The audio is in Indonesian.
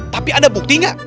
tapi ada bukti tidak